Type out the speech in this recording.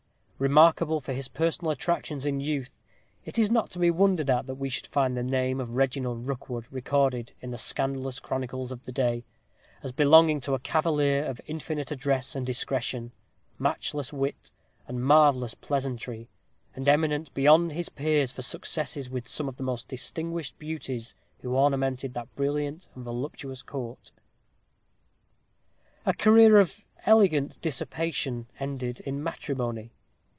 Remarkable for his personal attractions in youth, it is not to be wondered at that we should find the name of Reginald Rookwood recorded in the scandalous chronicles of the day, as belonging to a cavalier of infinite address and discretion, matchless wit, and marvellous pleasantry; and eminent beyond his peers for his successes with some of the most distinguished beauties who ornamented that brilliant and voluptuous court. A career of elegant dissipation ended in matrimony.